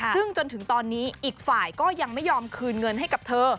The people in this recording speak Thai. ซึ่งจนถึงตอนนี้อีกฝ่ายก็ยังไม่ยอมคืนเงินให้กับเธอ